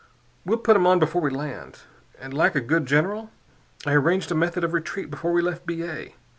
We'll put 'em on before we land. And like a good general, I arranged a method of retreat before we left B. A.